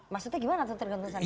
maksudnya gimana tuh tergantung saja